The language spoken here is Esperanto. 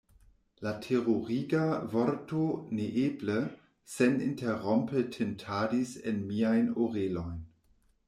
La teruriga vorto "neeble!" seninterrompe tintadis en miajn orelojn.